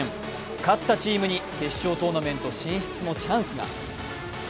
勝ったチームに決勝トーナメント進出のチャンスが。